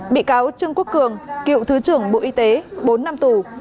bị cáo trương quốc cường cựu thứ trưởng bộ y tế bốn năm tù